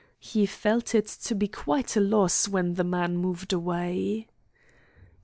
He felt it to be quite a loss when the man moved away.